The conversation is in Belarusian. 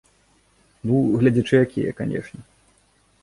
Ну, гледзячы якія, канешне.